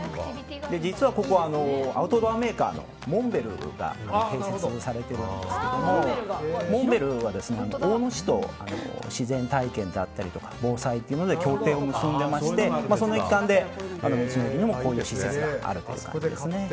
実はここアウトドアメーカーのモンベルが併設されているんですがモンベルは大野市と自然体験であったり防災というので協定を結んでいましてその一環で道の駅にもこういう施設があります。